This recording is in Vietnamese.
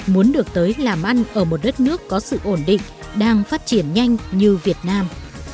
muốn được tới làm ăn ở một đất nước có sự ổn định đang phát triển nhanh như việt nam